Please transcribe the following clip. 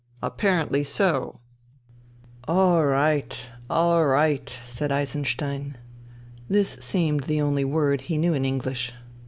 Apparently so." " Orright ! Orright !" said Eisenstein. This seemed the only word he knew in English.